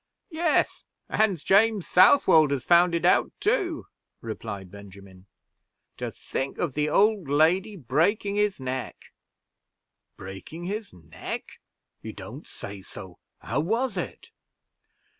"Yes, and James Southwold has found it out too," replied Benjamin; "to think of the old lady breaking his neck!" "Breaking his neck? You don't say so! How was it?"